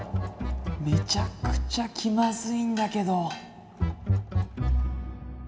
めちゃくちゃ気まずいんだけど。